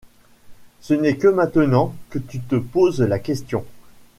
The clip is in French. Ce n’est que maintenant que tu te poses la question ?